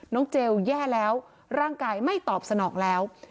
เจลแย่แล้วร่างกายไม่ตอบสนองแล้ว